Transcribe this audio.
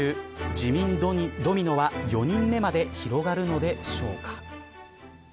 辞任ドミノは４人目まで広がるのでしょうか。